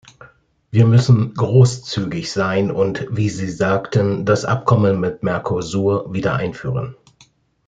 Wir müssen großzügig sein und, wie Sie sagten, das Abkommen mit Mercosur wieder einführen.